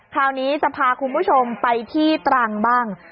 คราวนี้จะพาคุณผู้ชมไปที่ตรังบ้าง